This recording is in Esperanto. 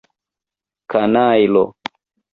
Kanajlo!